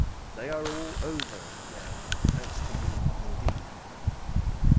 They are all over now, thanks to you, indeed."